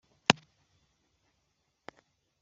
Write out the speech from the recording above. uruhushya mbere y uko igihe rugomba kumara